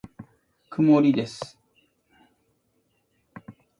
曇りです。